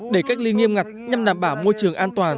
để cách ly nghiêm ngặt nhằm đảm bảo môi trường an toàn